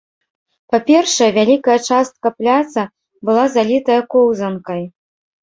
Па-першае, вялікая частка пляца была залітая коўзанкай.